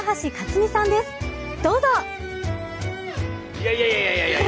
いやいやいやいや。